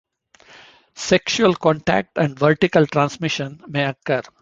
Sexual contact and vertical transmission may occur.